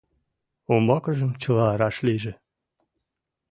Умбакыжым чыла раш лийже!